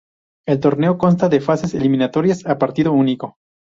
El torneo consta de fases eliminatorias a partido único.